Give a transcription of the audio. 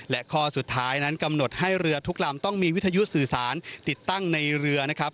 และข้อสุดท้ายนั้นกำหนดให้เรือทุกลำต้องมีวิทยุสื่อสารติดตั้งในเรือนะครับ